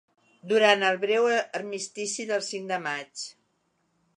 Durant el breu armistici del cinc de maig